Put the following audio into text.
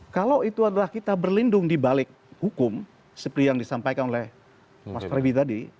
kalau itu adalah kita berlindung dibalik hukum seperti yang disampaikan oleh mas freddy tadi